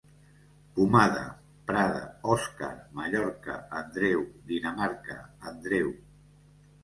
Pomada: Prada, Òscar, Mallorca, Andreu, Dinamarca, Andreu.